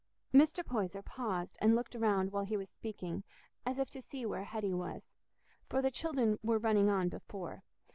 Mr. Poyser paused and looked round while he was speaking, as if to see where Hetty was; for the children were running on before.